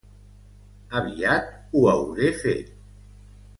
Aviat ho hauré fet.